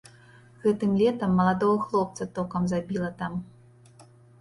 Гэтым летам маладога хлопца токам забіла там.